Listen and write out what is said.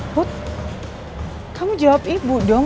put kamu jawab ibu dong